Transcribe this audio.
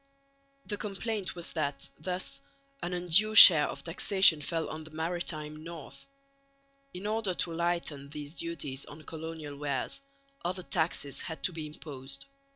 The complaint was that thus an undue share of taxation fell on the maritime north. In order to lighten these duties on colonial wares, other taxes had to be imposed.